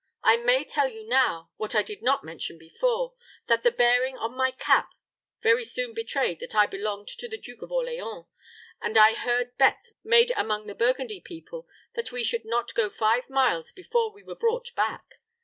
I may tell you now, what I did not mention before, that the bearing on my cap very soon betrayed that I belonged to the Duke of Orleans, and I heard bets made among the Burgundy people that we should not go five miles before we were brought back.